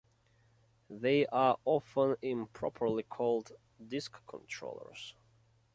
They are often improperly called "disk controllers".